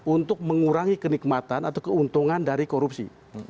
untuk mengurangi kenikmatan atau keuntungan dari korupsi